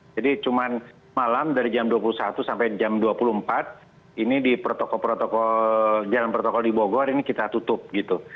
jadi cuma malam dari jam dua puluh satu sampai jam dua puluh empat ini di protokol protokol jalan protokol di bogor ini kita tutup gitu